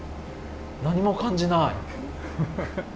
何も感じない。